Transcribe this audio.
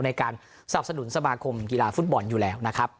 ในการทรัพย์สะดุนสมาคมภูตบอลอยู่แล้วนะครับ